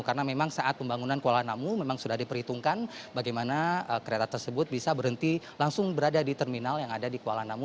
karena memang saat pembangunan kuala namu memang sudah diperhitungkan bagaimana kereta tersebut bisa berhenti langsung berada di terminal yang ada di kuala namu